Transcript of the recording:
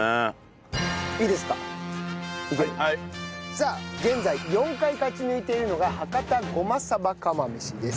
さあ現在４回勝ち抜いているのが博多ごまさば釜飯です。